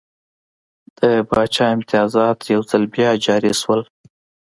د پاچا امتیازات یو ځل بیا جاري شول.